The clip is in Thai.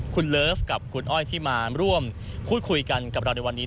คุณเลิฟกับคุณอ้อยที่มาร่วมพูดคุยกันกับเราในวันนี้